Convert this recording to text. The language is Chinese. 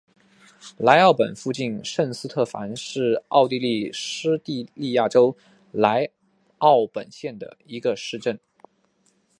莱奥本附近圣斯特凡是奥地利施蒂利亚州莱奥本县的一个市镇。